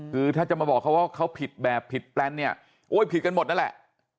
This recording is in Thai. คือถ้าจะมาบอกเขาว่าเขาผิดแบบผิดแปลนเนี่ยโอ้ยผิดกันหมดนั่นแหละ